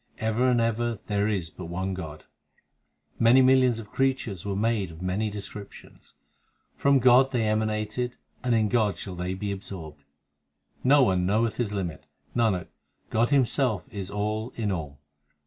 Ever and ever there is but One God Many millions of creatures were made of many descrip tions ; From God they emanated and in God shall they be absorbed. No one knoweth His limit ; Nanak, God Himself is all in all.